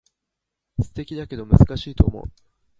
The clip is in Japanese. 素敵だけど難しいと思う